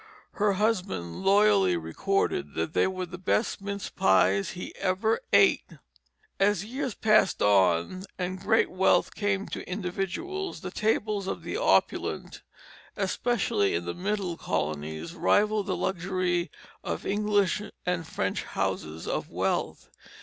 Her husband loyally recorded that they were the best mince pies he ever ate. As years passed on and great wealth came to individuals, the tables of the opulent, especially in the Middle colonies, rivalled the luxury of English and French houses of wealth.